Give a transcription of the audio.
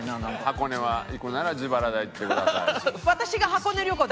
箱根は行くなら自腹で行ってください。